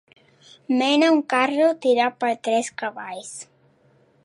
Mena un carro tirat per tres cavalls.